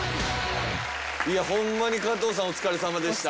いやホンマに加藤さんお疲れさまでした。